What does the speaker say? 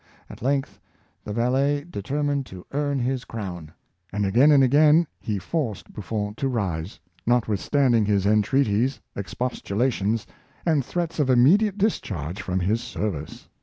At length the valet determined to earn his crown; and again and again he forced Buffon to rise, notwithstanding his entreaties, expostulations, and threats of immediate discharge from his service.